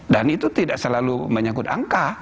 dan itu tidak selalu menyangkut angka